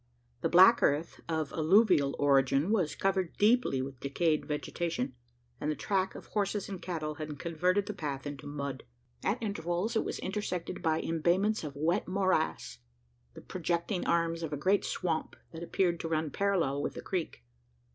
The black earth, of alluvial origin, was covered deeply with decayed vegetation; and the track of horses and cattle had converted the path into mud. At intervals, it was intersected by embayments of wet morass the projecting arms of a great swamp, that appeared to run parallel with the creek.